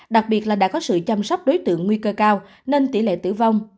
đặc biệt là đã có sự chăm sóc đối tượng nguy cơ cao nên tỷ lệ tử vong